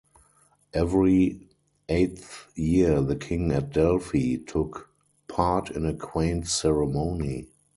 Every eighth year the King at Delphi took part in a quaint ceremony.